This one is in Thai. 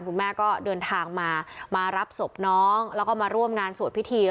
คุณแม่ก็เดินทางมามารับศพน้องแล้วก็มาร่วมงานสวดพิธี